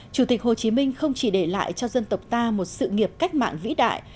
chủ tịch hồ chí minh không chỉ để lại cho dân tộc ta một sự nghiệp cách mạng vĩ đại